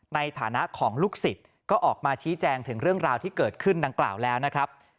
ในฐานะของลูกศิษย์ก็ออกมาชี้แจงถึงเรื่องราวที่เกิดขึ้นดังกล่าวแล้วนะครับ